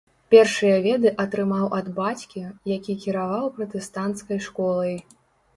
Першыя веды атрымаў ад бацькі, які кіраваў пратэстанцкай школай.